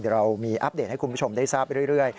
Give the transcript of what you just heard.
เดี๋ยวเรามีอัปเดตให้คุณผู้ชมได้ทราบเรื่อย